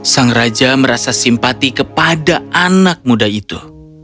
sang raja merasa simpati kepada anak muda itu